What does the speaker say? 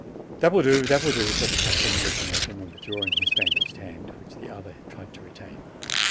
"That will do, that will do," said the captain, look ing at him and withdrawing his bandaged hand, which the other tried to retain.